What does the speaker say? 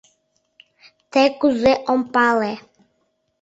— Те кузе — ом пале.